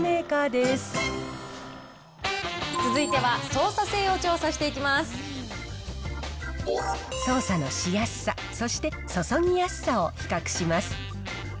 続いては操作性を調査してい操作のしやすさ、そして注ぎやすさを比較します。